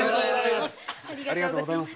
ありがとうございます。